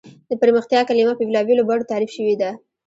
د پرمختیا کلیمه په بېلا بېلو بڼو تعریف شوې ده.